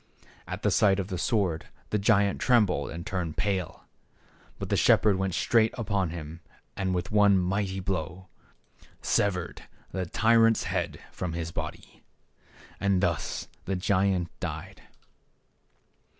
At the sight of the sword the giant trembled and turned pale. But the shepherd went straight up to him, and with one mighty blow, severed the THE SHE P HEED BOY. 77 tyrant's head from his body. And thus the giant died.